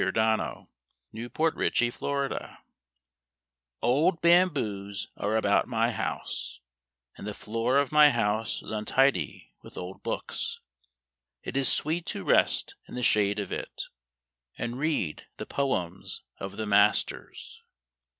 _ ANNAM THE BAMBOO GARDEN Old bamboos are about my house, And the floor of my house is untidy with old books. It is sweet to rest in the shade of it And read the poems of the masters.